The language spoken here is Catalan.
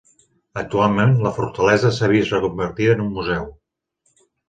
Actualment, la fortalesa s'ha vist reconvertida en un museu.